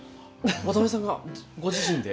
渡辺さんがご自身で？